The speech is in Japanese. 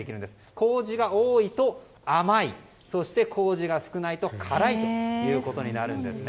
麹が多いと甘いそして、麹が少ないと辛いということになるんですね。